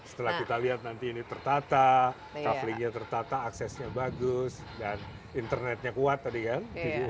setelah kita lihat nanti ini tertata couflingnya tertata aksesnya bagus dan internetnya kuat tadi kan